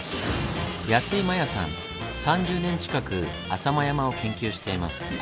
３０年近く浅間山を研究しています。